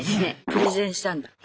プレゼンしたんだ。